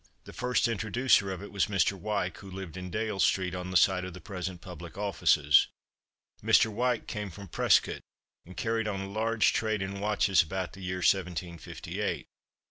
The first introducer of it was Mr. Wyke, who lived in Dale street, on the site of the present public offices. Mr. Wyke came from Prescot, and carried on a large trade in watches about the year 1758. Mr.